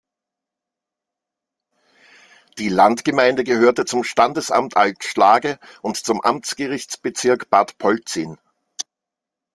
Die Landgemeinde gehörte zum Standesamt Alt Schlage und zum Amtsgerichtsbezirk Bad Polzin.